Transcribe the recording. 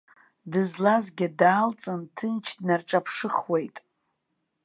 Дызлазгьы даалҵын, ҭынч днарҿаԥшыхуеит.